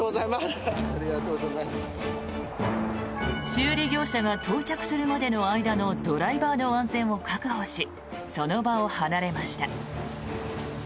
修理業者が到着するまでの間のドライバーの安全を確保しその場を離れました。